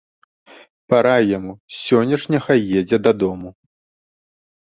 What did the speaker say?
Парай яму, сёння ж няхай едзе дадому.